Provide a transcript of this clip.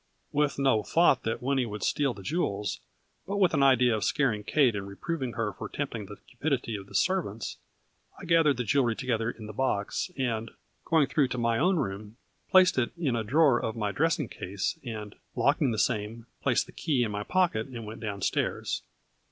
With no thought that Winnie would steal the jewels, but with an idea of scaring Kate and reproving her for tempting the cupidity of the servants, I gathered the jewelry together in the box, and, going through into my own room, placed it in a drawer of my dressing case, and, locking the same, placed the key in my pocket and went down stairs.